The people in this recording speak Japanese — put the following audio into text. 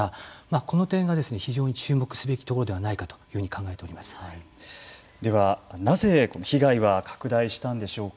この点が非常に注目すべきところではないかでは、なぜこの被害は拡大したんでしょうか。